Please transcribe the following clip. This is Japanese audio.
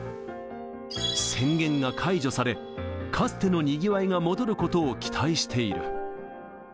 宣言が解除され、かつてのにぎわいが戻ることを期待している。